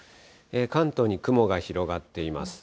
関東に雲が広がっています。